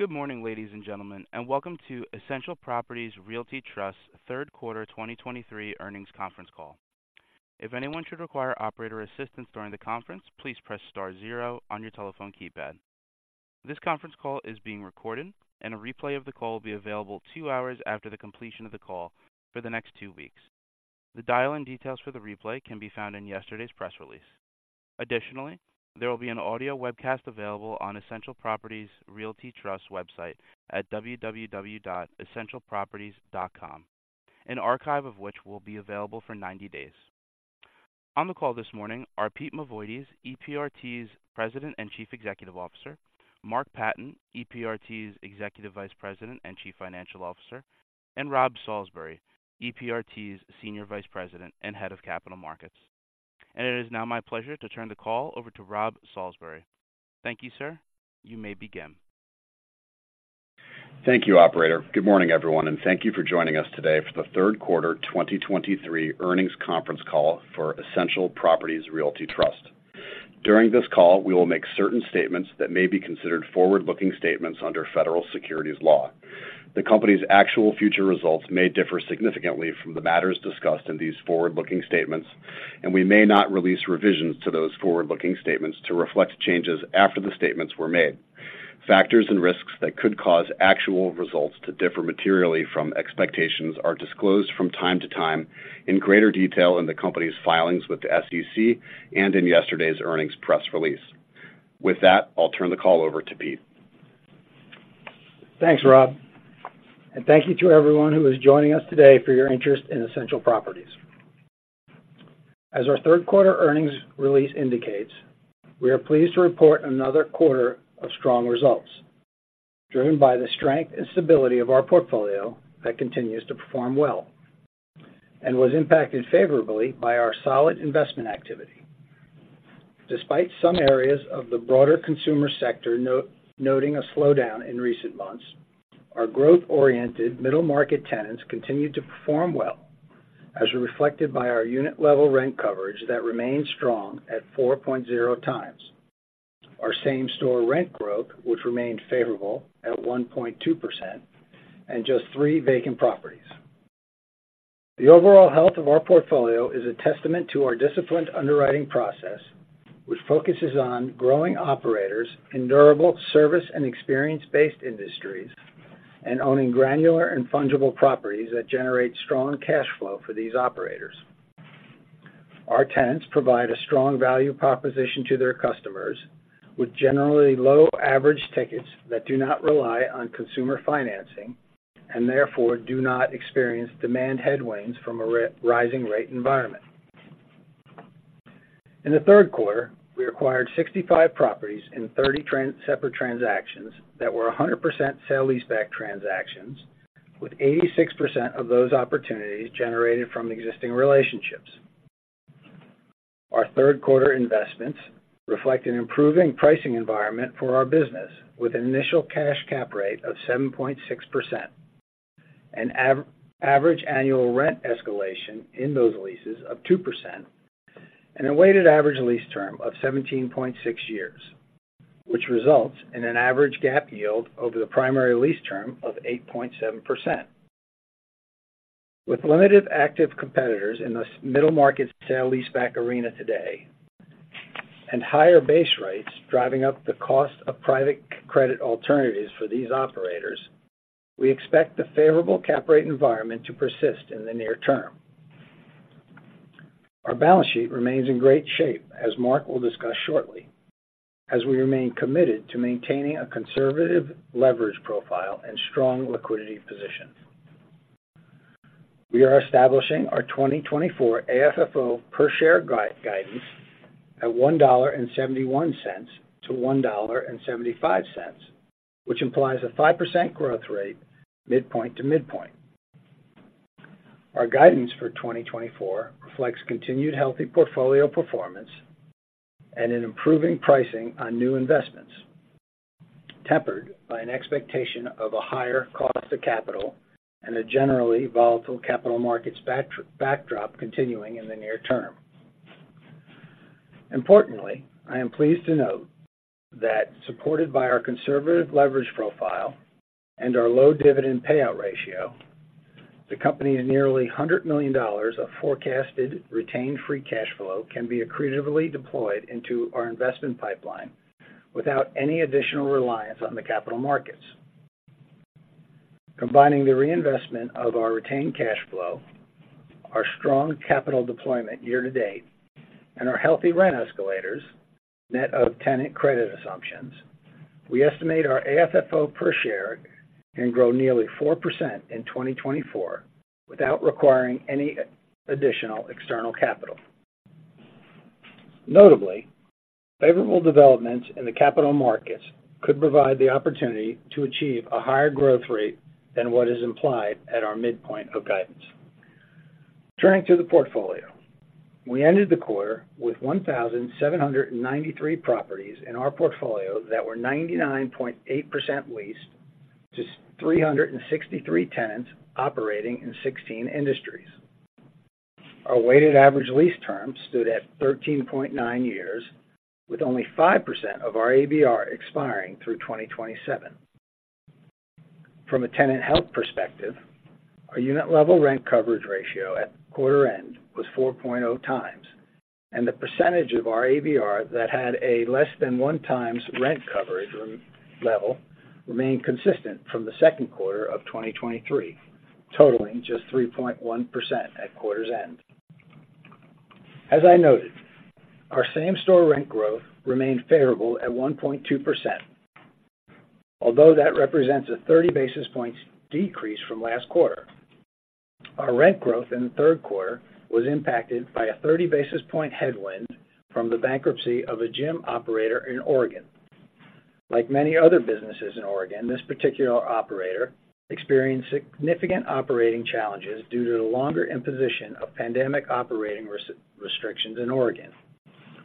Good morning, ladies and gentlemen, and welcome to Essential Properties Realty Trust's third quarter 2023 earnings conference call. If anyone should require operator assistance during the conference, please press star zero on your telephone keypad. This conference call is being recorded, and a replay of the call will be available 2 hours after the completion of the call for the next 2 weeks. The dial-in details for the replay can be found in yesterday's press release. Additionally, there will be an audio webcast available on Essential Properties Realty Trust website at www.essentialproperties.com, an archive of which will be available for 90 days. On the call this morning are Pete Mavoides, EPRT's President and Chief Executive Officer, Mark Patten, EPRT's Executive Vice President and Chief Financial Officer, and Rob Salisbury, EPRT's Senior Vice President and Head of Capital Markets. It is now my pleasure to turn the call over to Rob Salisbury. Thank you, sir. You may begin. Thank you, operator. Good morning, everyone, and thank you for joining us today for the third quarter 2023 earnings conference call for Essential Properties Realty Trust. During this call, we will make certain statements that may be considered forward-looking statements under federal securities law. The company's actual future results may differ significantly from the matters discussed in these forward-looking statements, and we may not release revisions to those forward-looking statements to reflect changes after the statements were made. Factors and risks that could cause actual results to differ materially from expectations are disclosed from time to time in greater detail in the company's filings with the SEC and in yesterday's earnings press release. With that, I'll turn the call over to Pete. Thanks, Rob, and thank you to everyone who is joining us today for your interest in Essential Properties. As our third quarter earnings release indicates, we are pleased to report another quarter of strong results, driven by the strength and stability of our portfolio that continues to perform well and was impacted favorably by our solid investment activity. Despite some areas of the broader consumer sector noting a slowdown in recent months, our growth-oriented middle market tenants continued to perform well, as reflected by our unit-level rent coverage that remains strong at 4.0x. Our same-store rent growth, which remained favorable at 1.2%, and just 3 vacant properties. The overall health of our portfolio is a testament to our disciplined underwriting process, which focuses on growing operators in durable service and experience-based industries and owning granular and fungible properties that generate strong cash flow for these operators. Our tenants provide a strong value proposition to their customers, with generally low average tickets that do not rely on consumer financing, and therefore, do not experience demand headwinds from a rising rate environment. In the third quarter, we acquired 65 properties in 30 separate transactions that were 100% sale-leaseback transactions, with 86% of those opportunities generated from existing relationships. Our third quarter investments reflect an improving pricing environment for our business, with an initial cash cap rate of 7.6%, and average annual rent escalation in those leases of 2%, and a weighted average lease term of 17.6 years, which results in an average GAAP yield over the primary lease term of 8.7%. With limited active competitors in this middle market sale-leaseback arena today, and higher base rates driving up the cost of private credit alternatives for these operators, we expect the favorable cap rate environment to persist in the near term. Our balance sheet remains in great shape, as Mark will discuss shortly, as we remain committed to maintaining a conservative leverage profile and strong liquidity position. We are establishing our 2024 AFFO per share guidance at $1.71-$1.75, which implies a 5% growth rate, midpoint to midpoint. Our guidance for 2024 reflects continued healthy portfolio performance and an improving pricing on new investments, tempered by an expectation of a higher cost of capital and a generally volatile capital markets backdrop continuing in the near term. Importantly, I am pleased to note that, supported by our conservative leverage profile and our low dividend payout ratio, the company's nearly $100 million of forecasted retained free cash flow can be accretively deployed into our investment pipeline without any additional reliance on the capital markets. Combining the reinvestment of our retained cash flow, our strong capital deployment year to date, and our healthy rent escalators, net of tenant credit assumptions, we estimate our AFFO per share can grow nearly 4% in 2024 without requiring any additional external capital. Notably, favorable developments in the capital markets could provide the opportunity to achieve a higher growth rate than what is implied at our midpoint of guidance. Turning to the portfolio. We ended the quarter with 1,793 properties in our portfolio that were 99.8% leased to 363 tenants operating in 16 industries. Our weighted average lease term stood at 13.9 years, with only 5% of our ABR expiring through 2027. From a tenant health perspective, our unit-level rent coverage ratio at quarter end was 4.0x, and the percentage of our ABR that had a less than 1x rent coverage at unit level remained consistent from the second quarter of 2023, totaling just 3.1% at quarter end. As I noted, our same-store rent growth remained favorable at 1.2%, although that represents a 30 basis points decrease from last quarter. Our rent growth in the third quarter was impacted by a 30 basis point headwind from the bankruptcy of a gym operator in Oregon. Like many other businesses in Oregon, this particular operator experienced significant operating challenges due to the longer imposition of pandemic operating restrictions in Oregon,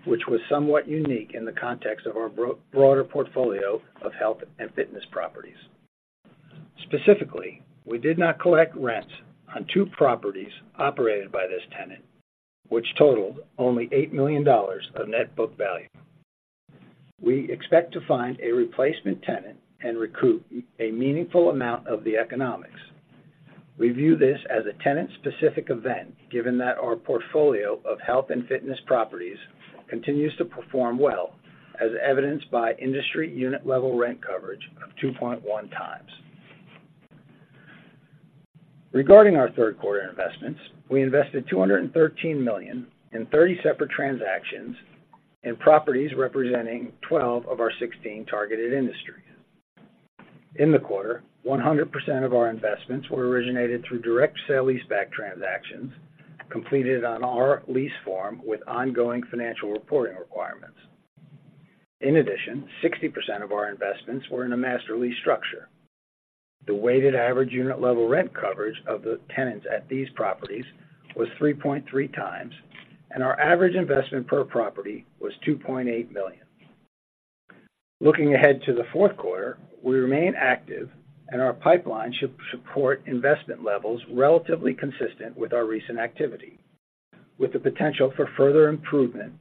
which was somewhat unique in the context of our broader portfolio of health and fitness properties. Specifically, we did not collect rents on two properties operated by this tenant, which totaled only $8 million of net book value. We expect to find a replacement tenant and recoup a meaningful amount of the economics. We view this as a tenant-specific event, given that our portfolio of health and fitness properties continues to perform well, as evidenced by industry unit level rent coverage of 2.1x. Regarding our third quarter investments, we invested $213 million in 30 separate transactions in properties representing 12 of our 16 targeted industries. In the quarter, 100% of our investments were originated through direct sale-leaseback transactions, completed on our lease form with ongoing financial reporting requirements. In addition, 60% of our investments were in a master lease structure. The weighted average unit level rent coverage of the tenants at these properties was 3.3x, and our average investment per property was $2.8 million. Looking ahead to the fourth quarter, we remain active, and our pipeline should support investment levels relatively consistent with our recent activity, with the potential for further improvement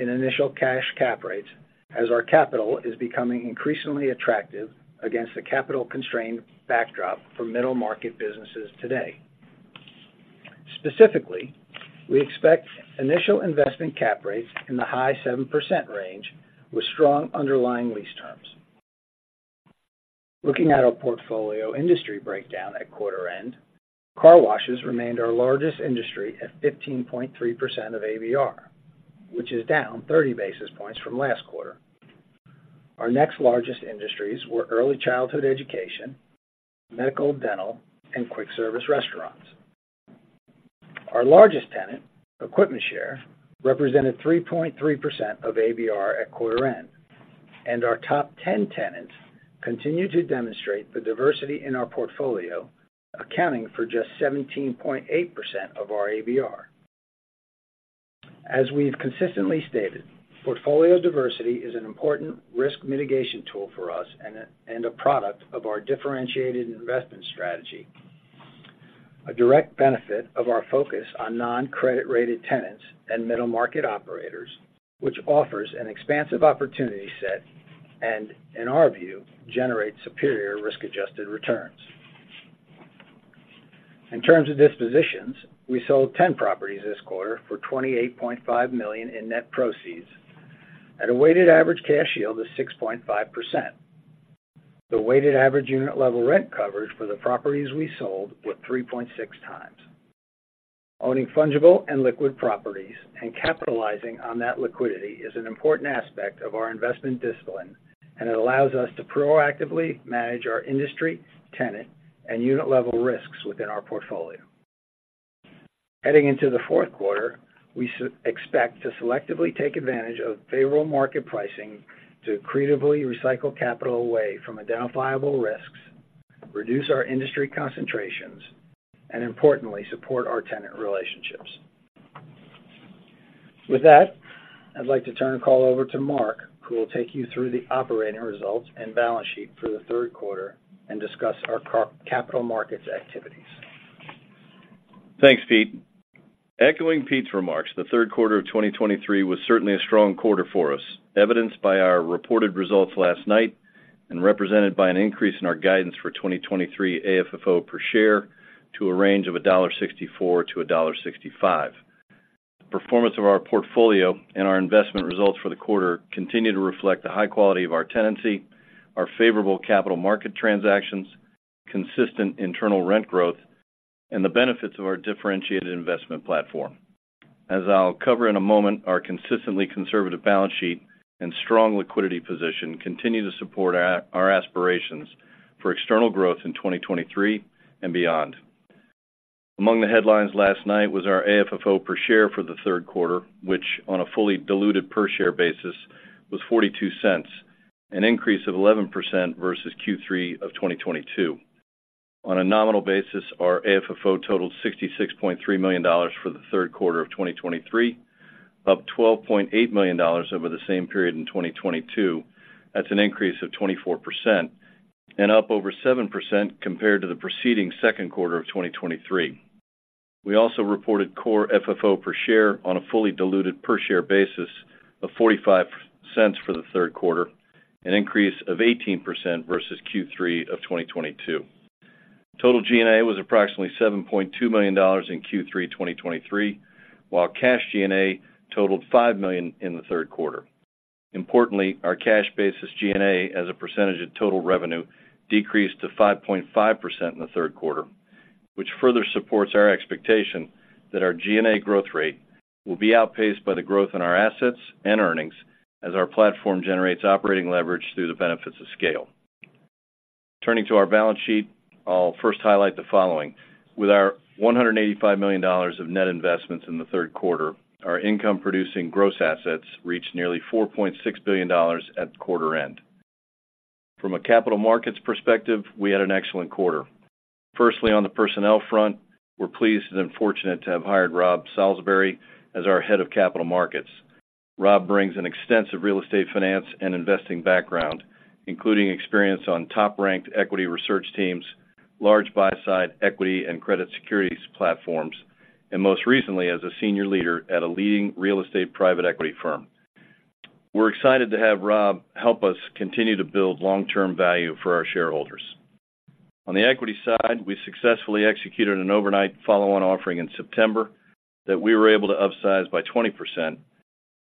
in initial cash cap rates as our capital is becoming increasingly attractive against the capital-constrained backdrop for middle-market businesses today. Specifically, we expect initial investment cap rates in the high 7% range, with strong underlying lease terms. Looking at our portfolio industry breakdown at quarter end, car washes remained our largest industry at 15.3% of ABR, which is down 30 basis points from last quarter. Our next largest industries were early childhood education, medical, dental, and quick service restaurants. Our largest tenant, EquipmentShare, represented 3.3% of ABR at quarter end, and our top 10 tenants continue to demonstrate the diversity in our portfolio, accounting for just 17.8% of our ABR. As we've consistently stated, portfolio diversity is an important risk mitigation tool for us and a product of our differentiated investment strategy, a direct benefit of our focus on non-credit-rated tenants and middle-market operators, which offers an expansive opportunity set and, in our view, generates superior risk-adjusted returns. In terms of dispositions, we sold 10 properties this quarter for $28.5 million in net proceeds at a weighted average cash yield of 6.5%. The weighted average unit level rent coverage for the properties we sold was 3.6x. Owning fungible and liquid properties and capitalizing on that liquidity is an important aspect of our investment discipline, and it allows us to proactively manage our industry, tenant, and unit-level risks within our portfolio. Heading into the fourth quarter, we expect to selectively take advantage of favorable market pricing to accretively recycle capital away from identifiable risks, reduce our industry concentrations, and importantly, support our tenant relationships. With that, I'd like to turn the call over to Mark, who will take you through the operating results and balance sheet for the third quarter and discuss our capital markets activities. Thanks, Pete. Echoing Pete's remarks, the third quarter of 2023 was certainly a strong quarter for us, evidenced by our reported results last night and represented by an increase in our guidance for 2023 AFFO per share to a range of $1.64-$1.65. Performance of our portfolio and our investment results for the quarter continue to reflect the high quality of our tenancy, our favorable capital market transactions, consistent internal rent growth, and the benefits of our differentiated investment platform. As I'll cover in a moment, our consistently conservative balance sheet and strong liquidity position continue to support our aspirations for external growth in 2023 and beyond. Among the headlines last night was our AFFO per share for the third quarter, which on a fully diluted per share basis, was $0.42, an increase of 11% versus Q3 of 2022. On a nominal basis, our AFFO totaled $66.3 million for the third quarter of 2023, up $12.8 million over the same period in 2022. That's an increase of 24% and up over 7% compared to the preceding second quarter of 2023. We also reported core FFO per share on a fully diluted per share basis of $0.45 for the third quarter, an increase of 18% versus Q3 of 2022. Total G&A was approximately $7.2 million in Q3 2023, while cash G&A totaled $5 million in the third quarter. Importantly, our cash basis G&A, as a percentage of total revenue, decreased to 5.5% in the third quarter, which further supports our expectation that our G&A growth rate will be outpaced by the growth in our assets and earnings as our platform generates operating leverage through the benefits of scale. Turning to our balance sheet, I'll first highlight the following. With our $185 million of net investments in the third quarter, our income-producing gross assets reached nearly $4.6 billion at quarter end. From a capital markets perspective, we had an excellent quarter. Firstly, on the personnel front, we're pleased and fortunate to have hired Rob Salisbury as our Head of Capital Markets. Rob brings an extensive real estate finance and investing background, including experience on top-ranked equity research teams, large buy-side equity and credit securities platforms, and most recently, as a senior leader at a leading real estate private equity firm. We're excited to have Rob help us continue to build long-term value for our shareholders. On the equity side, we successfully executed an overnight follow-on offering in September that we were able to upsize by 20%,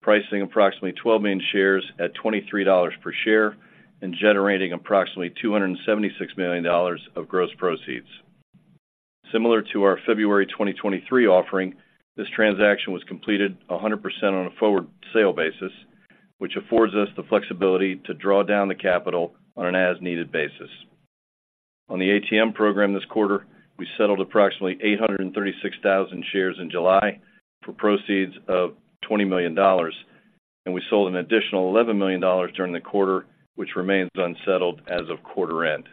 pricing approximately 12 million shares at $23 per share and generating approximately $276 million of gross proceeds. Similar to our February 2023 offering, this transaction was completed 100% on a forward sale basis, which affords us the flexibility to draw down the capital on an as-needed basis. On the ATM program this quarter, we settled approximately 836,000 shares in July for proceeds of $20 million, and we sold an additional $11 million during the quarter, which remains unsettled as of quarter end.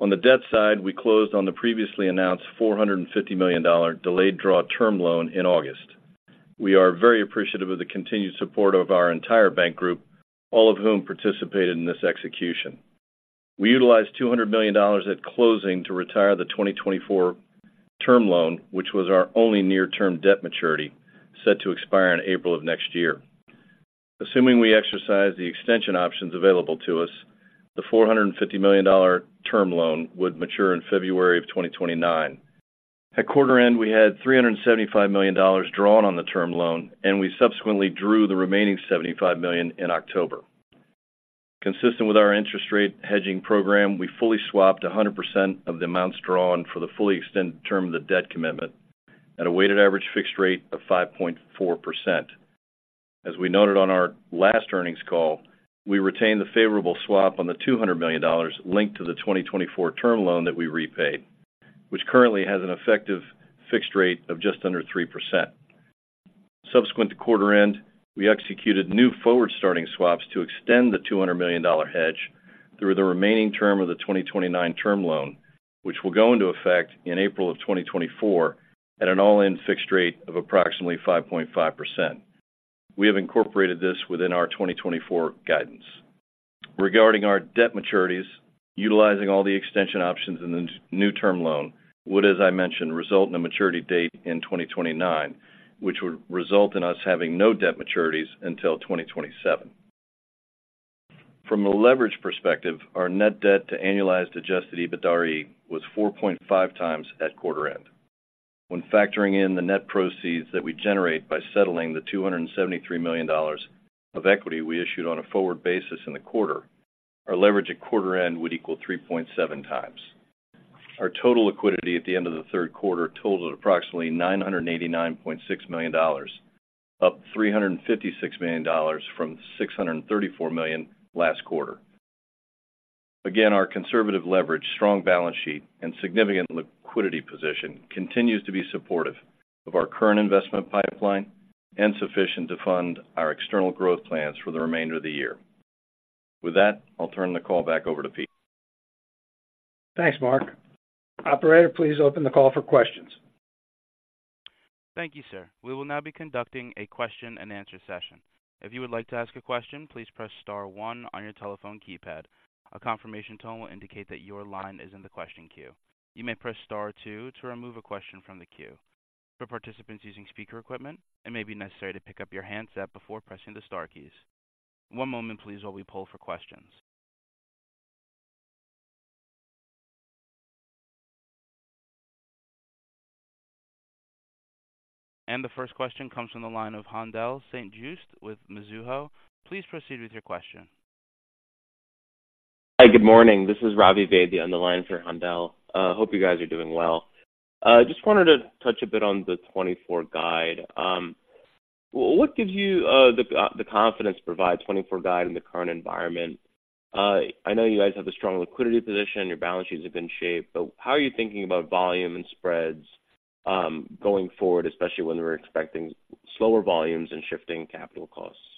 On the debt side, we closed on the previously announced $450 million delayed draw term loan in August. We are very appreciative of the continued support of our entire bank group, all of whom participated in this execution. We utilized $200 million at closing to retire the 2024 term loan, which was our only near-term debt maturity, set to expire in April of next year. Assuming we exercise the extension options available to us, the $450 million term loan would mature in February of 2029. At quarter end, we had $375 million drawn on the term loan, and we subsequently drew the remaining $75 million in October. Consistent with our interest rate hedging program, we fully swapped 100% of the amounts drawn for the fully extended term of the debt commitment at a weighted average fixed rate of 5.4%. As we noted on our last earnings call, we retained the favorable swap on the $200 million linked to the 2024 term loan that we repaid, which currently has an effective fixed rate of just under 3%. Subsequent to quarter end, we executed new forward-starting swaps to extend the $200 million hedge through the remaining term of the 2029 term loan, which will go into effect in April 2024 at an all-in fixed rate of approximately 5.5%. We have incorporated this within our 2024 guidance. Regarding our debt maturities, utilizing all the extension options in the new term loan would, as I mentioned, result in a maturity date in 2029, which would result in us having no debt maturities until 2027. From a leverage perspective, our net debt to annualized adjusted EBITDARE was 4.5x at quarter end. When factoring in the net proceeds that we generate by settling the $273 million of equity we issued on a forward basis in the quarter, our leverage at quarter-end would equal 3.7x. Our total liquidity at the end of the third quarter totaled approximately $989.6 million, up $356 million from $634 million last quarter. Again, our conservative leverage, strong balance sheet, and significant liquidity position continues to be supportive of our current investment pipeline and sufficient to fund our external growth plans for the remainder of the year. With that, I'll turn the call back over to Pete. Thanks, Mark. Operator, please open the call for questions. Thank you, sir. We will now be conducting a question-and-answer session. If you would like to ask a question, please press star one on your telephone keypad. A confirmation tone will indicate that your line is in the question queue. You may press star two to remove a question from the queue. For participants using speaker equipment, it may be necessary to pick up your handset before pressing the star keys. One moment, please, while we pull for questions. The first question comes from the line of Haendel St. Juste with Mizuho. Please proceed with your question. Hi, good morning. This is Ravi Vaidya on the line for Handel. Hope you guys are doing well. Just wanted to touch a bit on the 2024 guide. What gives you the confidence to provide 2024 guide in the current environment? I know you guys have a strong liquidity position, your balance sheets are in shape, but how are you thinking about volume and spreads going forward, especially when we're expecting slower volumes and shifting capital costs?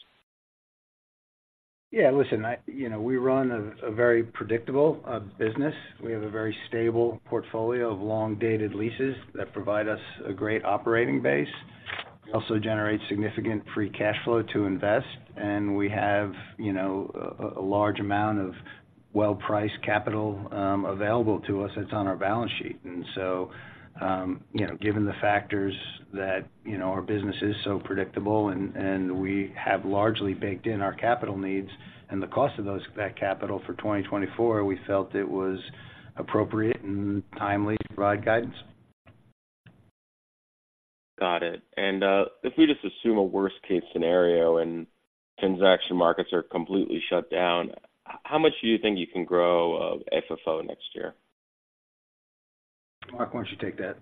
Yeah, listen, you know, we run a very predictable business. We have a very stable portfolio of long-dated leases that provide us a great operating base. We also generate significant free cash flow to invest, and we have, you know, a large amount of well-priced capital available to us that's on our balance sheet. And so, you know, given the factors that, you know, our business is so predictable and we have largely baked in our capital needs and the cost of that capital for 2024, we felt it was appropriate and timely to provide guidance. Got it. If we just assume a worst-case scenario and transaction markets are completely shut down, how much do you think you can grow, FFO next year? Mark, why don't you take that?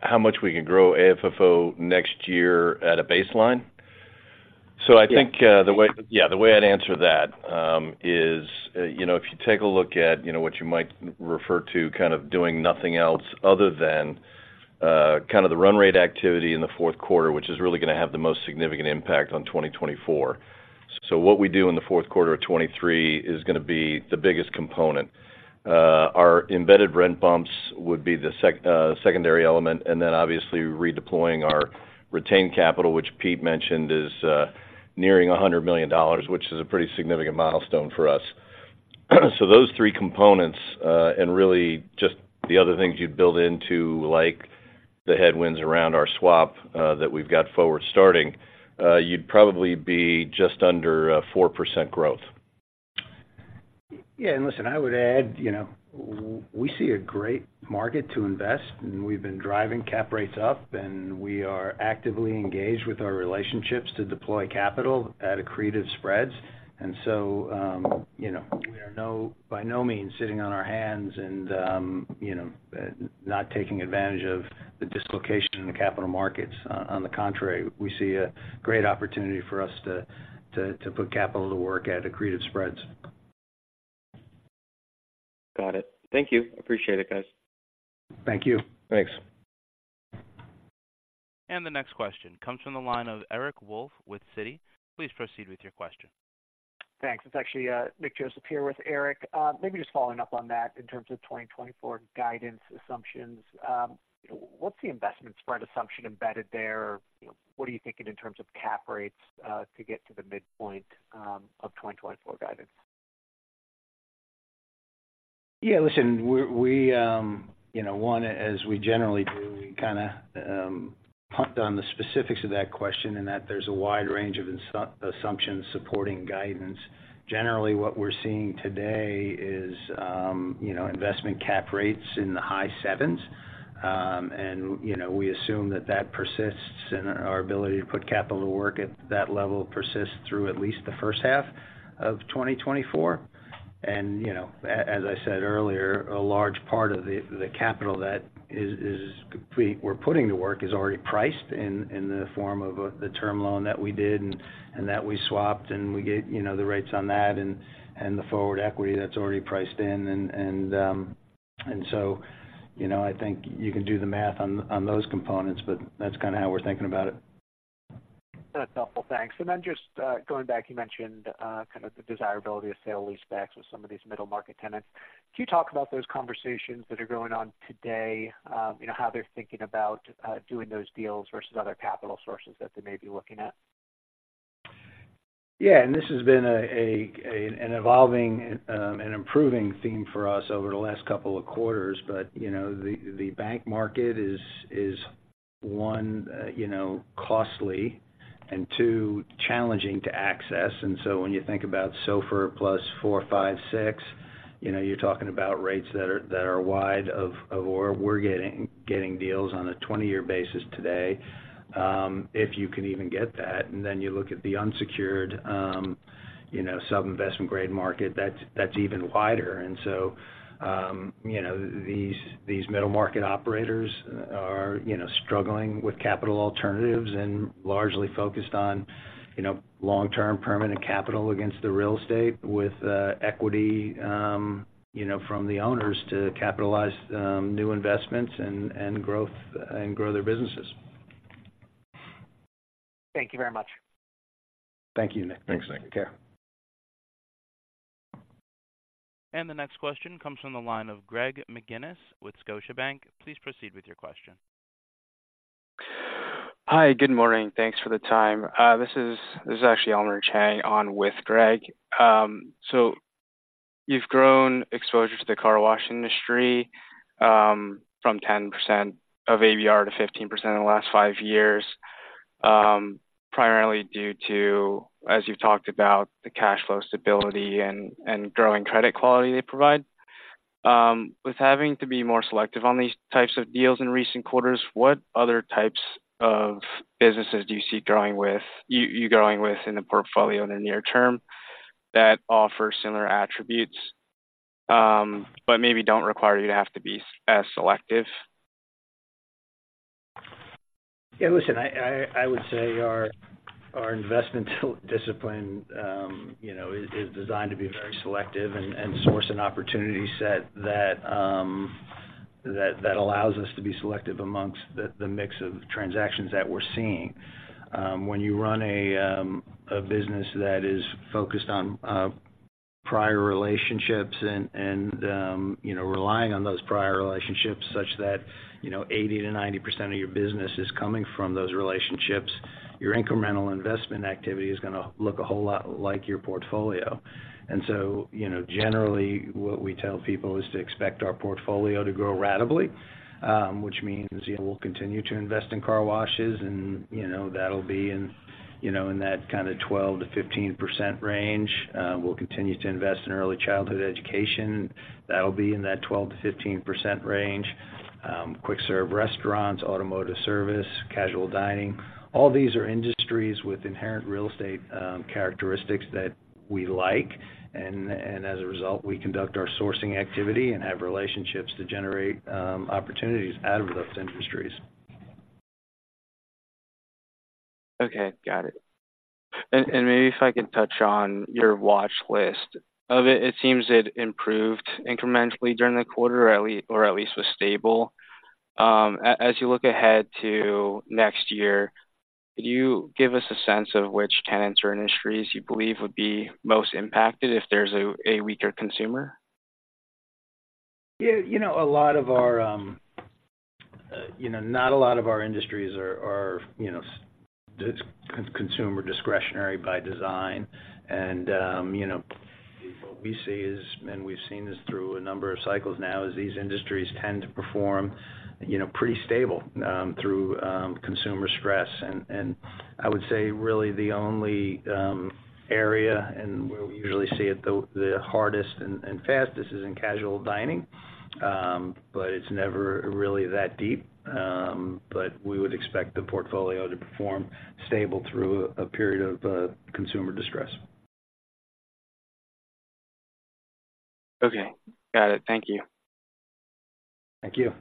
How much we can grow AFFO next year at a baseline? Yes. So I think, the way, yeah, the way I'd answer that, is, you know, if you take a look at, you know, what you might refer to kind of doing nothing else other than, kind of the run rate activity in the fourth quarter, which is really going to have the most significant impact on 2024. So what we do in the fourth quarter of 2023 is going to be the biggest component. Our embedded rent bumps would be the secondary element, and then obviously, redeploying our retained capital, which Pete mentioned, is, nearing $100 million, which is a pretty significant milestone for us. So those three components, and really just the other things you'd build into, like the headwinds around our swap, that we've got forward starting, you'd probably be just under 4% growth. Yeah, and listen, I would add, you know, we see a great market to invest, and we've been driving cap rates up, and we are actively engaged with our relationships to deploy capital at accretive spreads. And so, you know, we are by no means sitting on our hands and, you know, not taking advantage of the dislocation in the capital markets. On the contrary, we see a great opportunity for us to put capital to work at accretive spreads. Got it. Thank you. Appreciate it, guys. Thank you. Thanks. The next question comes from the line of Eric Wolfe with Citi. Please proceed with your question. Thanks. It's actually Nick Joseph here with Eric. Maybe just following up on that in terms of 2024 guidance assumptions. What's the investment spread assumption embedded there? What are you thinking in terms of cap rates to get to the midpoint of 2024 guidance? Yeah, listen, we're—we, you know, one, as we generally do, we kind of punt on the specifics of that question, in that there's a wide range of assumptions supporting guidance. Generally, what we're seeing today is, you know, investment cap rates in the high 7s. You know, we assume that that persists, and our ability to put capital to work at that level persists through at least the first half of 2024. You know, as I said earlier, a large part of the capital that is—we're putting to work is already priced in, in the form of the term loan that we did and that we swapped, and we get, you know, the rates on that and the forward equity that's already priced in. You know, I think you can do the math on those components, but that's kind of how we're thinking about it. That's helpful. Thanks. And then just, going back, you mentioned, kind of the desirability of sale-leasebacks with some of these middle-market tenants. Can you talk about those conversations that are going on today, you know, how they're thinking about, doing those deals versus other capital sources that they may be looking at? Yeah, and this has been an evolving, an improving theme for us over the last couple of quarters. You know, the bank market is, one, costly and, two, challenging to access. When you think about SOFR plus 4, 5, 6, you know, you're talking about rates that are wide of where we're getting deals on a 20-year basis today, if you can even get that. You look at the unsecured, you know, sub-investment grade market, that's even wider. You know, these middle-market operators are struggling with capital alternatives and largely focused on long-term permanent capital against the real estate, with equity, you know, from the owners to capitalize new investments and grow their businesses. Thank you very much. Thank you, Eric. Thanks, Eric. Take care. The next question comes from the line of Greg McGinnis with Scotiabank. Please proceed with your question. Hi, good morning. Thanks for the time. This is actually Elmer Chang on with Greg. So you've grown exposure to the car wash industry from 10% of ABR to 15% in the last five years, primarily due to, as you've talked about, the cash flow stability and growing credit quality they provide. With having to be more selective on these types of deals in recent quarters, what other types of businesses do you see growing with in the portfolio in the near term that offer similar attributes, but maybe don't require you to have to be as selective? Yeah, listen, I would say our investment discipline, you know, is designed to be very selective and source an opportunity set that allows us to be selective amongst the mix of transactions that we're seeing. When you run a business that is focused on prior relationships and, you know, relying on those prior relationships such that, you know, 80%-90% of your business is coming from those relationships, your incremental investment activity is going to look a whole lot like your portfolio. And so, you know, generally, what we tell people is to expect our portfolio to grow ratably, which means, you know, we'll continue to invest in car washes and, you know, that'll be in that kind of 12%-15% range. We'll continue to invest in early childhood education. That'll be in that 12%-15% range. Quick serve restaurants, automotive service, casual dining, all these are industries with inherent real estate characteristics that we like, and, and as a result, we conduct our sourcing activity and have relationships to generate opportunities out of those industries. Okay, got it. And maybe if I could touch on your watch list. It seems it improved incrementally during the quarter, or at least was stable. As you look ahead to next year, could you give us a sense of which tenants or industries you believe would be most impacted if there's a weaker consumer? Yeah, you know, a lot of our, you know, not a lot of our industries are, are, you know, consumer discretionary by design. You know, what we see is, and we've seen this through a number of cycles now, is these industries tend to perform, you know, pretty stable through consumer stress. I would say really the only area, and where we usually see it the hardest and fastest is in casual dining. It's never really that deep. We would expect the portfolio to perform stable through a period of consumer distress. Okay. Got it. Thank you. Thank you.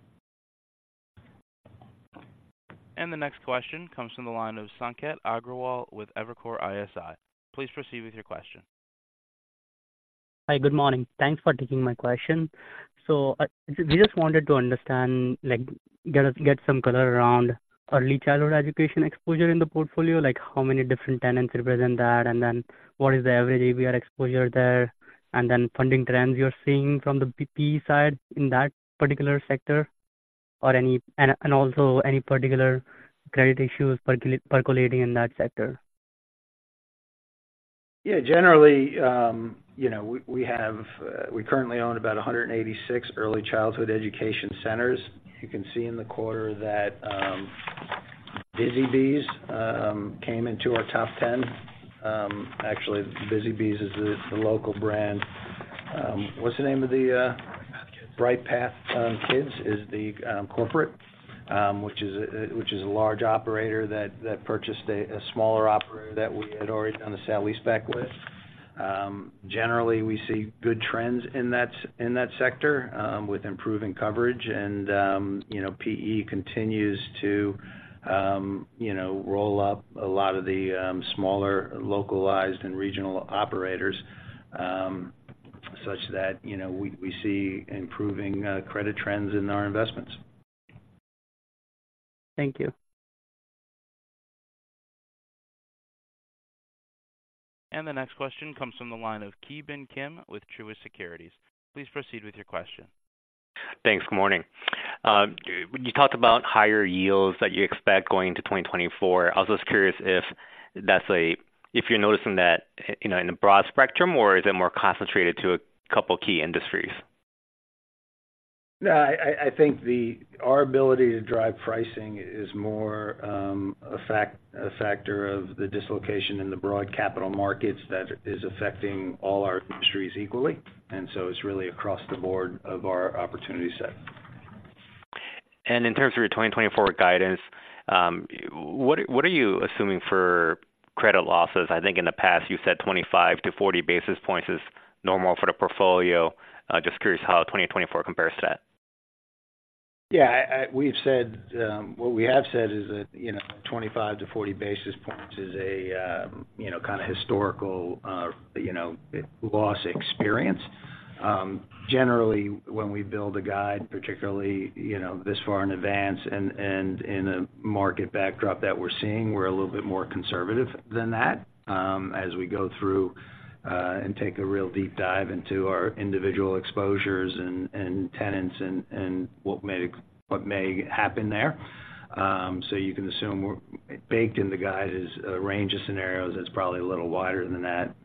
The next question comes from the line of Sanket Agrawal with Evercore ISI. Please proceed with your question. Hi, good morning. Thanks for taking my question. So we just wanted to understand, like, get some color around early childhood education exposure in the portfolio, like how many different tenants represent that, and then what is the average ABR exposure there, and then funding trends you're seeing from the PE side in that particular sector, or any. And also any particular credit issues percolating in that sector. Yeah, generally, you know, we currently own about 186 early childhood education centers. You can see in the quarter that, Busy Bees came into our top ten. Actually, Busy Bees is the local brand. What's the name of the- BrightPath Kids. BrightPath Kids is the corporate which is a large operator that purchased a smaller operator that we had already done a sale-leaseback with. Generally, we see good trends in that sector with improving coverage, and you know, PE continues to you know, roll up a lot of the smaller, localized and regional operators such that you know, we see improving credit trends in our investments. Thank you. The next question comes from the line of Ki Bin Kim with Truist Securities. Please proceed with your question. Thanks. Good morning. You talked about higher yields that you expect going into 2024. I was just curious if that's--if you're noticing that, you know, in a broad spectrum, or is it more concentrated to a couple key industries? No, I think our ability to drive pricing is more a factor of the dislocation in the broad capital markets that is affecting all our industries equally, and so it's really across the board of our opportunity set. In terms of your 2024 guidance, what, what are you assuming for credit losses? I think in the past you said 25-40 basis points is normal for the portfolio. Just curious how 2024 compares to that. Yeah, we've said—what we have said is that, you know, 25-40 basis points is a, you know, kind of historical, you know, loss experience. Generally, when we build a guide, particularly, you know, this far in advance and in a market backdrop that we're seeing, we're a little bit more conservative than that, as we go through and take a real deep dive into our individual exposures and tenants and what may happen there. So you can assume we're baked in the guide is a range of scenarios that's probably a little wider than that.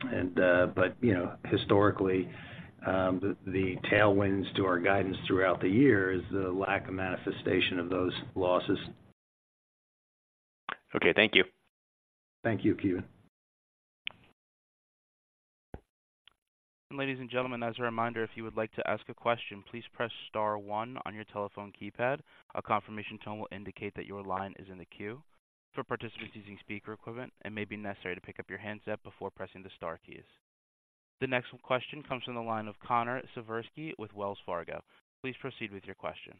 And, but, you know, historically, the tailwinds to our guidance throughout the year is the lack of manifestation of those losses. Okay, thank you. Thank you, Ki Bin. Ladies and gentlemen, as a reminder, if you would like to ask a question, please press star one on your telephone keypad. A confirmation tone will indicate that your line is in the queue. For participants using speaker equipment, it may be necessary to pick up your handset before pressing the star keys. The next question comes from the line of Connor Siversky with Wells Fargo. Please proceed with your question.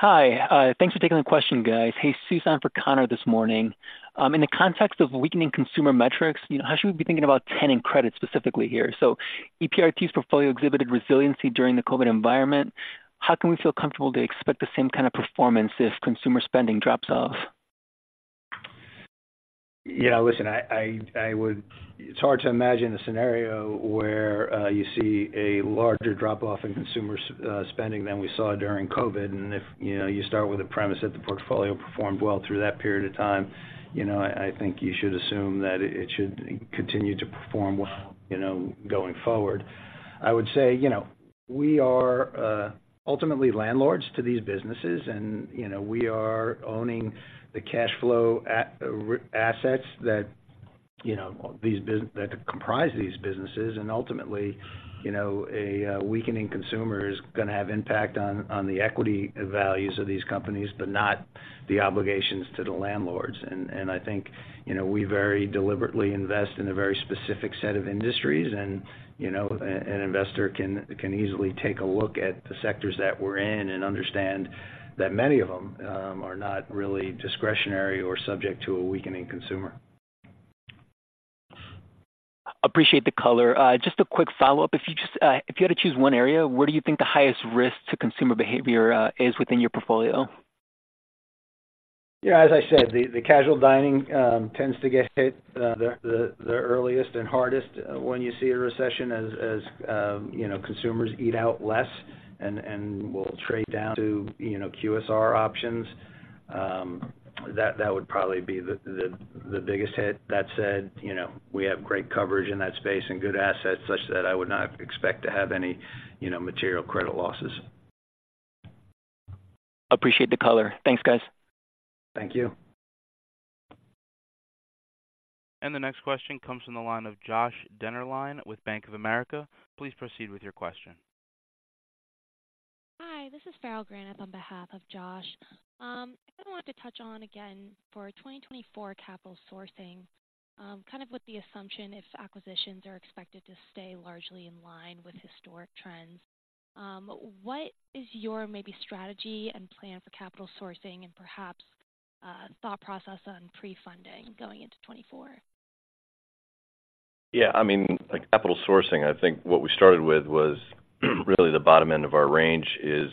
Hi, thanks for taking the question, guys. Hey, Sussan for Connor this morning. In the context of weakening consumer metrics, you know, how should we be thinking about tenant credit specifically here? So EPRT's portfolio exhibited resiliency during the COVID environment. How can we feel comfortable to expect the same kind of performance if consumer spending drops off? Yeah, listen, I would—it's hard to imagine a scenario where you see a larger drop-off in consumer spending than we saw during COVID. And if, you know, you start with the premise that the portfolio performed well through that period of time, you know, I think you should assume that it should continue to perform well, you know, going forward. I would say, you know, we are ultimately landlords to these businesses, and, you know, we are owning the cash flow at assets that comprise these businesses. And ultimately, you know, a weakening consumer is gonna have impact on the equity values of these companies, but not the obligations to the landlords. I think, you know, we very deliberately invest in a very specific set of industries and, you know, an investor can easily take a look at the sectors that we're in and understand that many of them are not really discretionary or subject to a weakening consumer. Appreciate the color. Just a quick follow-up. If you had to choose one area, where do you think the highest risk to consumer behavior is within your portfolio? Yeah, as I said, the casual dining tends to get hit the earliest and hardest when you see a recession as you know, consumers eat out less and will trade down to you know, QSR options. That would probably be the biggest hit. That said, you know, we have great coverage in that space and good assets such that I would not expect to have any you know, material credit losses. Appreciate the color. Thanks, guys. Thank you. The next question comes from the line of Josh Dennerlein with Bank of America. Please proceed with your question. Hi, this is Farrell Granath on behalf of Josh. I kind of wanted to touch on, again, for 2024 capital sourcing, kind of with the assumption, if acquisitions are expected to stay largely in line with historic trends. What is your maybe strategy and plan for capital sourcing and perhaps, thought process on pre-funding going into 2024? Yeah, I mean, like capital sourcing, I think what we started with was, really the bottom end of our range is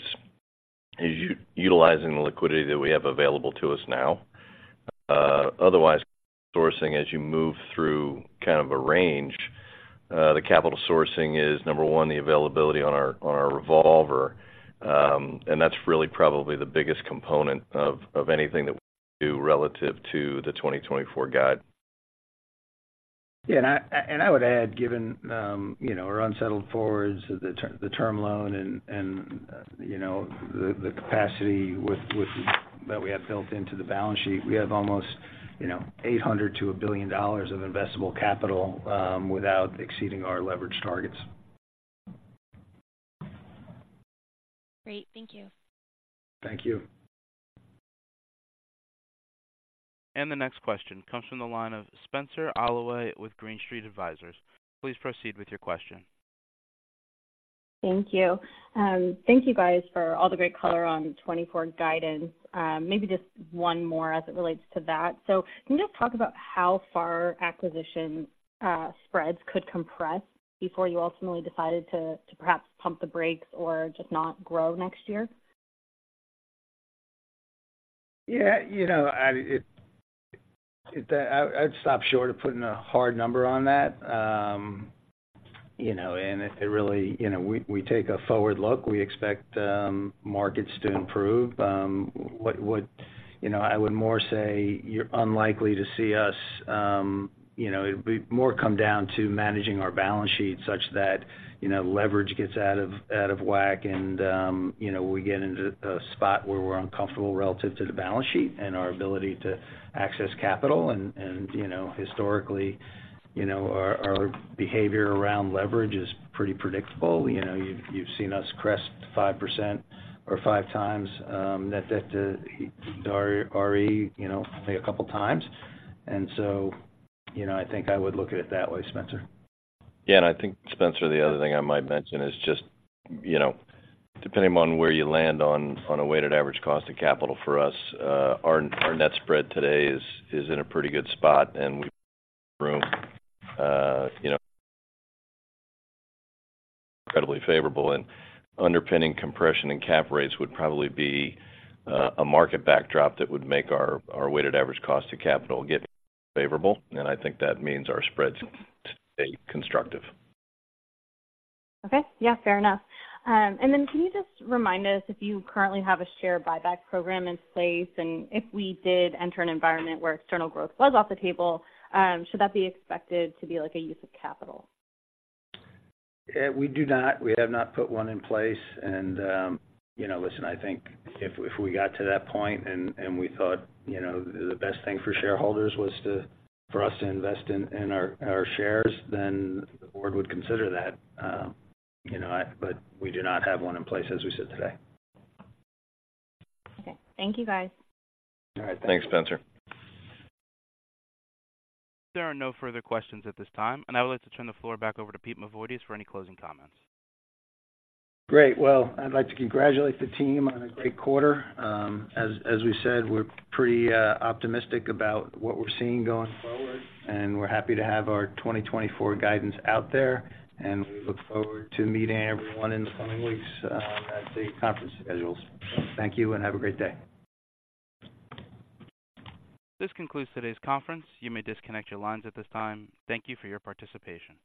utilizing the liquidity that we have available to us now. Otherwise, sourcing, as you move through kind of a range, the capital sourcing is, number one, the availability on our, on our revolver. And that's really probably the biggest component of anything that we do relative to the 2024 guide. Yeah, and I would add, given, you know, our unsettled forwards, the term loan and, you know, the capacity with that we have built into the balance sheet, we have almost, you know, $800 million-$1 billion of investable capital, without exceeding our leverage targets. Great. Thank you. Thank you. The next question comes from the line of Spenser Allaway with Green Street Advisors. Please proceed with your question. Thank you. Thank you, guys, for all the great color on 2024 guidance. Maybe just one more as it relates to that. So can you just talk about how far acquisition spreads could compress before you ultimately decided to perhaps pump the brakes or just not grow next year? Yeah, you know, I'd stop short of putting a hard number on that. You know, and if it really, you know, we take a forward look, we expect markets to improve. You know, I would more say you're unlikely to see us, you know, it would be more come down to managing our balance sheet such that, you know, leverage gets out of whack and, you know, we get into a spot where we're uncomfortable relative to the balance sheet and our ability to access capital. And, you know, historically, you know, our behavior around leverage is pretty predictable. You know, you've seen us crest 5% or 5x, that Net Debt to EBITDARE, you know, a couple times. And so, you know, I think I would look at it that way, Spenser. Yeah, and I think, Spenser, the other thing I might mention is just, you know, depending on where you land on a weighted average cost of capital for us, our net spread today is in a pretty good spot, and we have room, you know, incredibly favorable. And underpinning compression and cap rates would probably be a market backdrop that would make our weighted average cost of capital get favorable, and I think that means our spreads stay constructive. Okay. Yeah, fair enough. And then can you just remind us if you currently have a share buyback program in place, and if we did enter an environment where external growth was off the table, should that be expected to be like a use of capital? We do not. We have not put one in place. You know, listen, I think if we got to that point and we thought, you know, the best thing for shareholders was to, for us to invest in our shares, then the board would consider that. You know, but we do not have one in place, as we said today. Okay. Thank you, guys. All right. Thanks, Spenser. There are no further questions at this time, and I would like to turn the floor back over to Pete Mavoides for any closing comments. Great. Well, I'd like to congratulate the team on a great quarter. As we said, we're pretty optimistic about what we're seeing going forward, and we're happy to have our 2024 guidance out there, and we look forward to meeting everyone in the coming weeks at the conference schedules. Thank you and have a great day. This concludes today's conference. You may disconnect your lines at this time. Thank you for your participation.